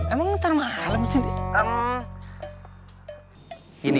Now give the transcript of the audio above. eh emang ntar malem cindy